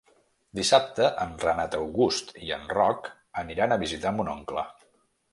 Dissabte en Renat August i en Roc aniran a visitar mon oncle.